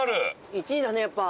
１位だねやっぱ。